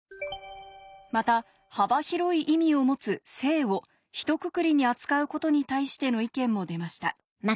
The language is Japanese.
また幅広い意味を持つ「性」をひとくくりに扱うことに対しての意見も出ました